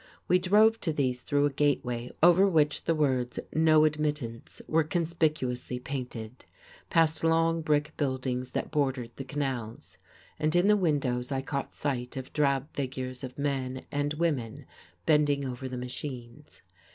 We drove to these through a gateway over which the words "No Admittance" were conspicuously painted, past long brick buildings that bordered the canals; and in the windows I caught sight of drab figures of men and women bending over the machines.